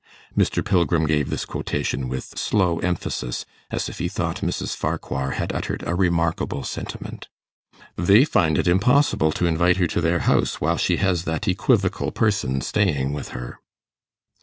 (Mr. Pilgrim gave this quotation with slow emphasis, as if he thought Mrs. Farquhar had uttered a remarkable sentiment.) 'They find it impossible to invite her to their house while she has that equivocal person staying with her.